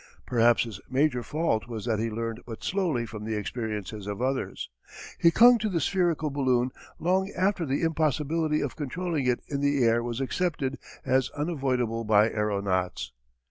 Perhaps his major fault was that he learned but slowly from the experiences of others. He clung to the spherical balloon long after the impossibility of controlling it in the air was accepted as unavoidable by aeronauts.